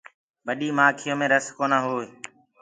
ٻڏي مآکيو مي رس کونآ هوئي۔